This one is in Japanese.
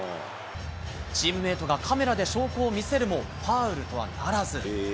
チームメートがカメラで証拠を見せるも、ファウルとはならず。